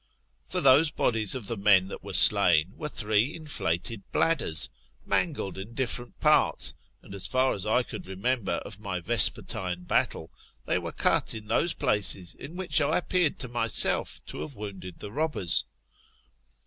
For those bodies of the men that were slain were three inflated bladders, mangled in different parts, and as far as I could remember of my vespertine battle, they were cut in those places in which I appeared to have wounded the robbers.